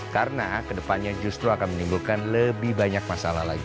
karena kedepannya justru akan menimbulkan lebih banyak masalah lagi